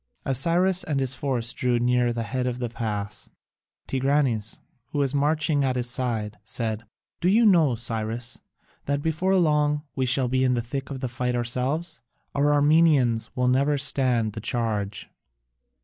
As Cyrus and his force drew near the head of the pass, Tigranes, who was marching at his side, said: "Do you know, Cyrus, that before long we shall be in the thick of the fight ourselves? Our Armenians will never stand the charge."